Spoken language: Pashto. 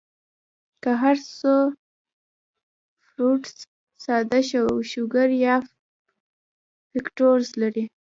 کۀ هر څو فروټس ساده شوګر يا فرکټوز لري